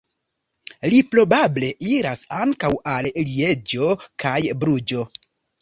Li probable iras ankaŭ al Lieĝo kaj Bruĝo.